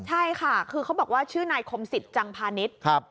ใช่ค่ะคือเขาบอกว่าชื่อนายคมสิทธิ์จังพาณิชย์